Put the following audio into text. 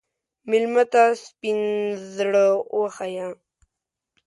مېلمه ته سپین زړه وښیه.